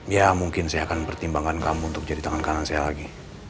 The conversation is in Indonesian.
ya mungkin saya akan pertimbangkan kamu untuk jadi tangan kanan saya lagi